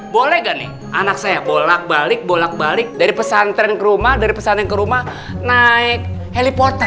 boleh gak nih anak saya bolak balik bolak balik dari pesan tren ke rumah dari pesan tren ke rumah naik heliportar